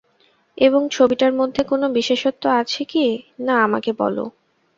এবং ছবিটার মধ্যে কোনো বিশেষত্ব আছে কি না আমাকে বলবে।